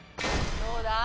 どうだ。